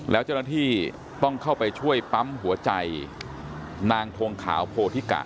แล้วเจ้าหน้าที่ต้องเข้าไปช่วยปั๊มหัวใจนางทงขาวโพธิกะ